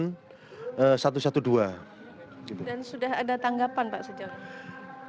dan sudah ada tanggapan pak